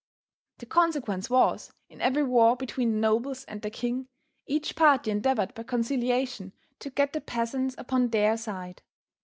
The consequence was, in every war between the nobles and the king, each party endeavored by conciliation to get the peasants upon their side.